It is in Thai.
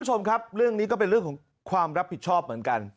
คุณผู้ชมครับเรื่องนี้ก็เป็นเรื่องของความรับผิดชอบเหมือนกัน